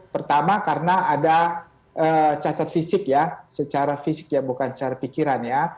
pertama karena ada catat fisik ya secara fisik ya bukan secara pikiran ya